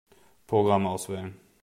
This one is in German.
Programm auswählen.